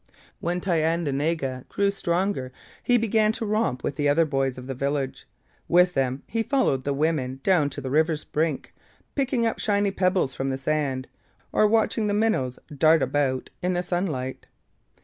When Thayendanegea grew stronger he began to romp with the other boys of the village. With them he followed the women down to the river's brink, picking up shiny pebbles from the sand, or watching the minnows dart about in the sunlight.